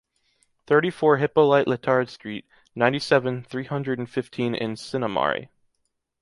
thirty-four Hippolyte Létard street, ninety-seven, three hundred and fifteen in Sinnamary